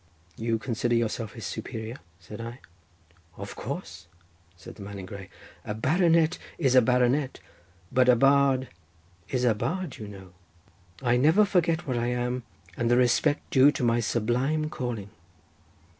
"You consider yourself his superior?" said I. "Of course," said the man in grey—"a baronet is a baronet; but a bard is a bard you know—I never forget what I am, and the respect due to my sublime calling.